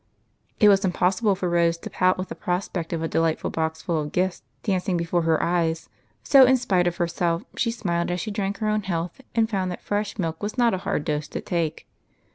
It was impossible for Rose to pout with the prospect of a delightful boxful of gifts dancing before her eyes ; so, in spite of herself, she smiled as she drank her own health, and found that fresh milk was not a hard dose to take.